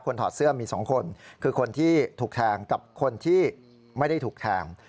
ถอดเสื้อมี๒คนคือคนที่ถูกแทงกับคนที่ไม่ได้ถูกแทง